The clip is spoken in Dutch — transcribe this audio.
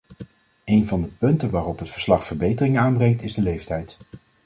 Een van de punten waarop het verslag verbeteringen aanbrengt is de leeftijd.